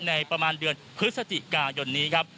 ประมาณเดือนพฤศจิกายนนี้ครับ